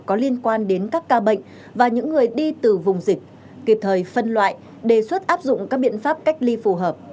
có liên quan đến các ca bệnh và những người đi từ vùng dịch kịp thời phân loại đề xuất áp dụng các biện pháp cách ly phù hợp